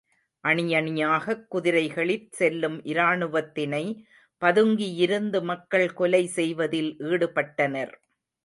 அணியணியாகக் குதிரைகளிற் செல்லும் இராணுவத்தினை பதுங்கியிருந்து மக்கள் கொலைசெய்வதில் ஈடுபட்டனர்.